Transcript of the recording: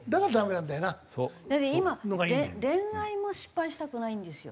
だって今恋愛も失敗したくないんですよ